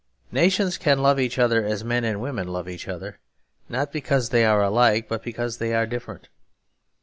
Nations can love each other as men and women love each other, not because they are alike but because they are different.